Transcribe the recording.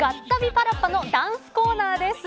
パラッパ！のダンスコーナーです。